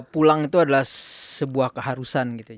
pulang itu adalah sebuah keharusan gitu